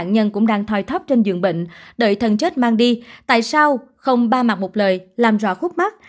nhưng dường bệnh đợi thần chết mang đi tại sao không ba mặt một lời làm rõ khúc mắt